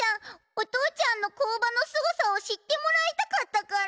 お父ちゃんの工場のすごさを知ってもらいたかったから。